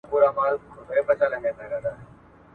ها یوه ښځه په څومره ارمان ژاړي ..